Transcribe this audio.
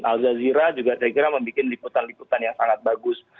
al zaziera juga saya kira membuat liputan liputan yang sangat bagus